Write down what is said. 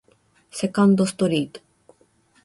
セカンドストリート